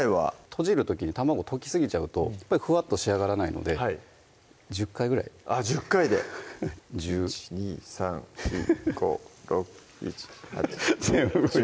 とじる時に卵溶きすぎちゃうとフワッと仕上がらないので１０回ぐらいあっ１０回で１・２・３・４・５・６・７・８・９・１０